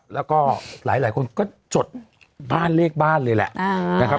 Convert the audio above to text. แล้วก็หลายคนก็จดเลขบ้านเลยแหละ